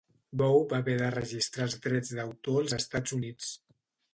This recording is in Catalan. Bou va haver de registrar els drets d'autor als Estats Units.